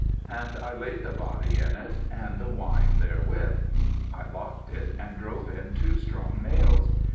and I laid the body in it, and the wine therewith. I locked it and drove in two strong nails.